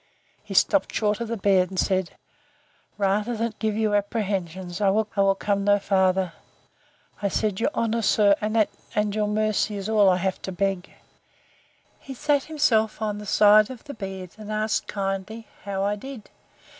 He stopped short of the bed, and said, Rather than give you apprehensions, I will come no farther. I said, Your honour, sir, and your mercy, is all I have to beg. He sat himself on the side of the bed, and asked kindly, how I did?